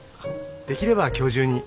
できれば今日中に。